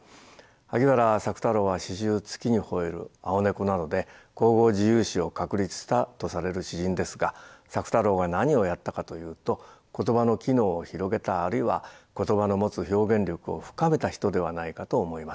萩原朔太郎は詩集「月に吠える」「青猫」などで口語自由詩を確立したとされる詩人ですが朔太郎が何をやったかというと言葉の機能を広げたあるいは言葉の持つ表現力を深めた人ではないかと思います。